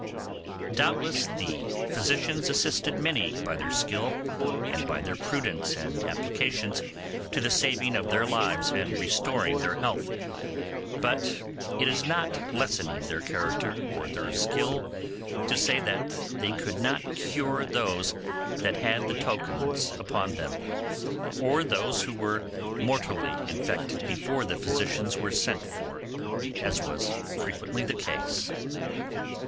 Doubtless, the physicians assisted many by their skill, and by their prudence and applications, to the saving of their lives and restoring their health. But it is not lessening their character or their skill, to say they could not cure those that had the tokens upon them, or those who were mortally infected before the physicians were sent for, as was frequently the case.